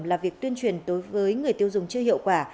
là việc tuyên truyền đối với người tiêu dùng chưa hiệu quả